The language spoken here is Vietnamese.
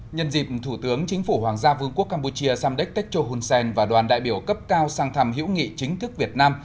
nhân dịp thủ tướng chính phủ hoàng gia vương quốc campuchia samdech techo hun sen và đoàn đại biểu cấp cao sang thăm hữu nghị chính thức việt nam